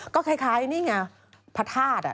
ก็คล้ายนี่ไงพระธาตุ